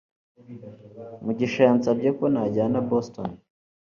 mugisha yansabye ko najyana i boston